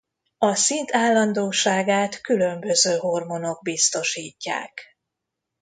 A szint állandóságát különböző hormonok biztosítják.